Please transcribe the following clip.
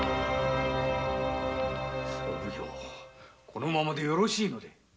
このままでよろしいので。